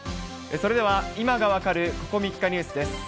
それでは今が分かるここ３日ニュースです。